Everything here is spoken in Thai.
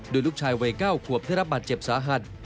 โดยลูกชายวัย๙ขวบได้รับบาดเจ็บสาหัส